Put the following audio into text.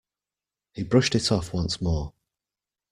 He brushed it off once more.